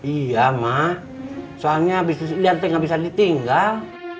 iya mah soalnya bisnis idam gak bisa ditinggal